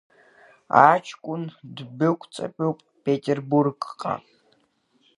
Аҷкәын ддәықәҵатәуп Петербургҟа.